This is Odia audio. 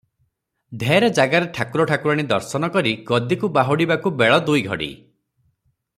ଢେର ଜାଗାରେ ଠାକୁର ଠାକୁରାଣୀ ଦର୍ଶନ କରି ଗଦିକୁ ବାହୁଡିବାକୁ ବେଳ ଦୁଇ ଘଡ଼ି ।